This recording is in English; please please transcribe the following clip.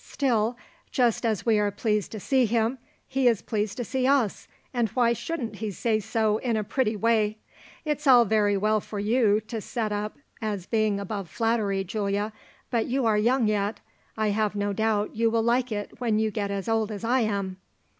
Still, just as we are pleased to see him, he is pleased to see us; and why shouldn't he say so in a pretty way? It's all very well for you to set up as being above flattery, Giulia, but you are young yet. I have no doubt you will like it when you get as old as I am."